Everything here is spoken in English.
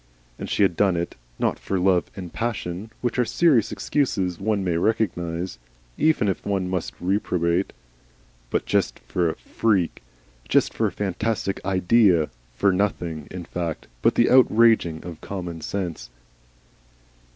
And she had done it, not for Love and Passion, which are serious excuses one may recognise even if one must reprobate, but just for a Freak, just for a fantastic Idea; for nothing, in fact, but the outraging of Common Sense.